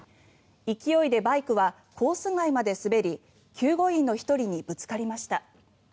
勢いでバイクはコース外まで滑り救護員の１人にぶつかりました。